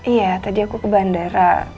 iya tadi aku ke bandara